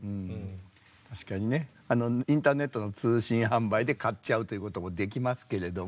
確かにねインターネットの通信販売で買っちゃうということもできますけれども。